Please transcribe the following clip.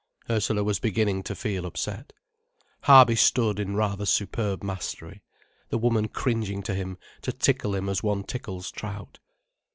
Ursula was beginning to feel upset. Harby stood in rather superb mastery, the woman cringing to him to tickle him as one tickles trout.